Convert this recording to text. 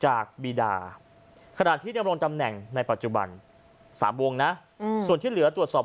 จากบีดาขนาดที่ยังรวมตำแหน่งในปัจจุบันสามวงนะอืมส่วนที่เหลือตรวจสอบ